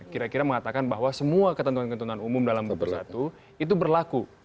kira kira mengatakan bahwa semua ketentuan ketentuan umum dalam buku satu itu berlaku